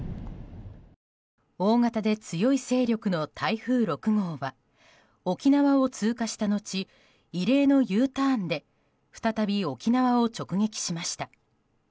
大型で強い勢力の台風６号は沖縄を通過した後異例のＵターンで再び沖縄を直撃しました。